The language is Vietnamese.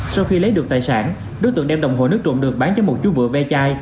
sau khi lấy được tài sản đối tượng đem đồng hồ nước trộm được bán cho một chú vựa ve chai